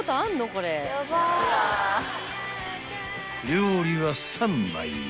［料理は３枚よ］